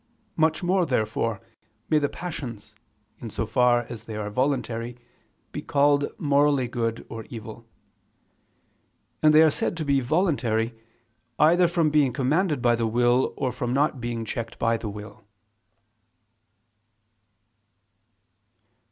Much more, therefore, may the passions, in so far as they are voluntary, be called morally good or evil. And they are said to be voluntary, either from being commanded by the will, or from not being checked by the will.